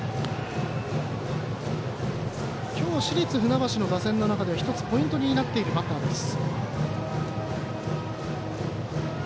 今日、市立船橋の打線の中で１つポイントになっているバッターです。